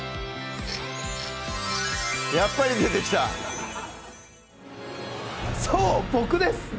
やっぱり出てきたそう僕です